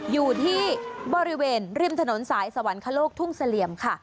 อยู่ที่บริเวณริมถนนสายสวรรคโลกทุ่งเสลี่ยมค่ะ